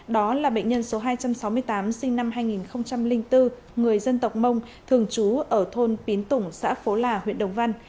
đó là bệnh nhân số hai trăm sáu mươi tám sinh năm hai nghìn bốn người dân tộc mông thường trú ở thôn pín tủng xã phố là huyện đồng văn